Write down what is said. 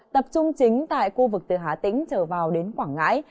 tập trung chính tại khu vực từ hà tĩnh trở vào đến quảng ngãi